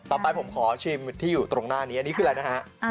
ต่อไปผมขอชิมที่อยู่ตรงหน้านี้อันนี้คืออะไรนะฮะ